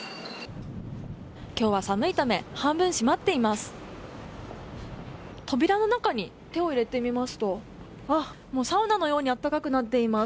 今日は寒いため半分、閉まっています。